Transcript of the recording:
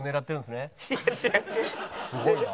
すごいな。